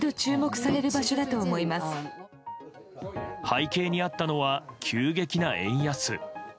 背景にあったのは急激な円安。